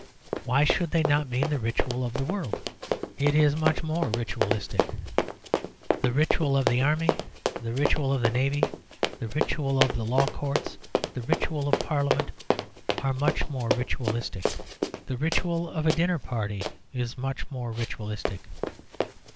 Why should they not mean the ritual of the world? It is much more ritualistic. The ritual of the Army, the ritual of the Navy, the ritual of the Law Courts, the ritual of Parliament are much more ritualistic. The ritual of a dinner party is much more ritualistic.